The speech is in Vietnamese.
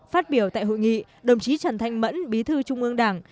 phát biểu tại hội nghị đồng chí trần thanh mẫn bí thư trung ương đảng